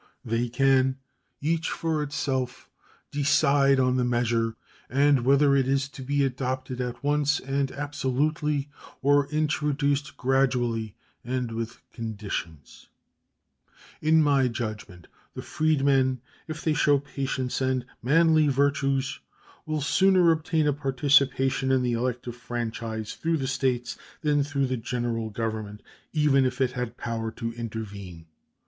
They can, each for itself, decide on the measure, and whether it is to be adopted at once and absolutely or introduced gradually and with conditions. In my judgment the freedmen, if they show patience and manly virtues, will sooner obtain a participation in the elective franchise through the States than through the General Government, even if it had power to intervene.